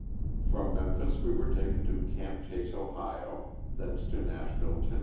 From Memphis we were taken to "Camp Chase," Ohio, thence to Nashville, Tenn.